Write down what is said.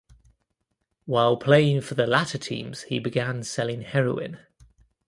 While playing for the latter teams he began selling heroin.